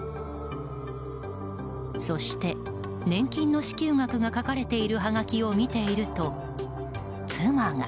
そして年金の支給額が書かれているはがきを見ていると妻が。